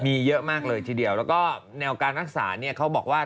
มีเยอะมากเลยทีเดียวแล้วก็แนวการรักษาเนี่ยเขาบอกว่า